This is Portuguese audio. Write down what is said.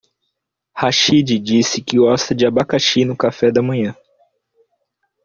Rachid disse que gosta de abacaxi no café da manhã.